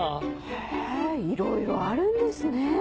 へぇいろいろあるんですね。